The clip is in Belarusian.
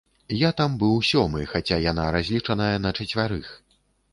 Я там быў сёмы, хаця яна разлічаная на чацвярых.